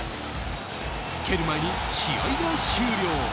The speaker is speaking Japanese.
蹴る前に試合が終了。